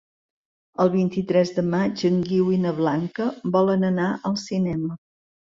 El vint-i-tres de maig en Guiu i na Blanca volen anar al cinema.